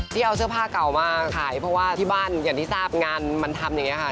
ที่เอาเสื้อผ้าเก่ามาขายเพราะว่าที่บ้านอย่างที่ทราบงานมันทำอย่างนี้ค่ะ